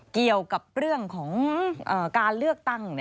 เกี่ยวกับเรื่องของการเลือกตั้ง